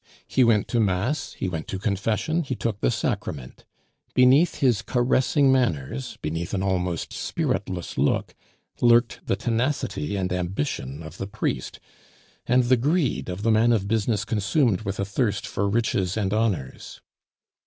He went to mass, he went to confession, he took the sacrament. Beneath his caressing manners, beneath an almost spiritless look, lurked the tenacity and ambition of the priest, and the greed of the man of business consumed with a thirst for riches and honors.